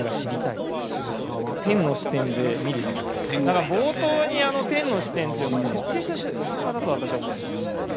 だから冒頭にあの天の視点というのは徹底した作家だと私は思ってますね。